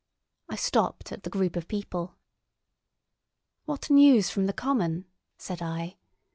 I stopped at the group of people. "What news from the common?" said I.